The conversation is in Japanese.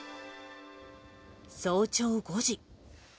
早朝５時。